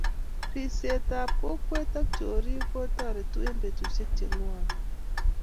ripsekap kokwee ak chokik ko toretuu en betusiek chekwonei